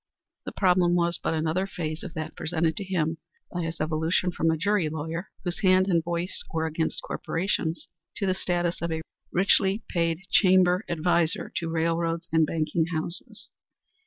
The problem was but another phase of that presented to him by his evolution from a jury lawyer, whose hand and voice were against corporations, to the status of a richly paid chamber adviser to railroads and banking houses.